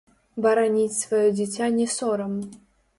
Бараніць сваё дзіця не сорам.